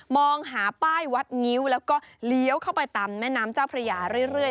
มองหาป้ายวัดงิ้วแล้วก็เลี้ยวเข้าไปตามแม่น้ำเจ้าพระยาเรื่อย